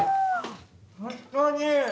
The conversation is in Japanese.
本当に！